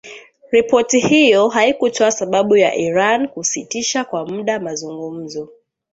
Ripoti hiyo haikutoa sababu ya Iran kusitisha kwa muda mazungumzo